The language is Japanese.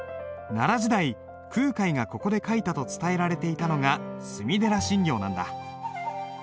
奈良時代空海がここで書いたと伝えられていたのが隅寺心経なんだ。